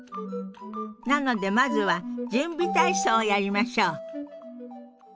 なのでまずは準備体操をやりましょう。